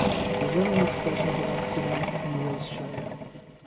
The journalists question about Siddhant enrage Chaya.